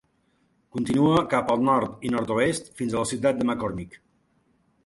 Continua cap al nord i nord-oest fins a la ciutat de McCormick.